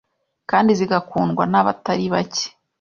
kandi zigakundwa n’abatari bake